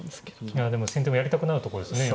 いやでも先手もやりたくなるとこですね。